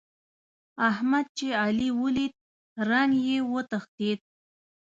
احمد چې علي وليد؛ رنګ يې وتښتېد.